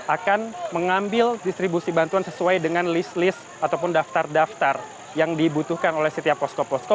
akan mengambil distribusi bantuan sesuai dengan list list ataupun daftar daftar yang dibutuhkan oleh setiap posko posko